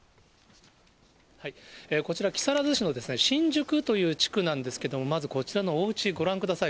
こちら、木更津市のしんじゅくという地区なんですけれども、まずこちらのおうち、ご覧ください。